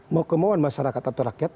mau kemauan masyarakat atau rakyat